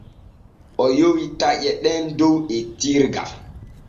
O yowi taƴe ɗen dow etirga.